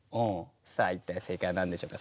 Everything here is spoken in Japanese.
さあ一体正解は何でしょうか。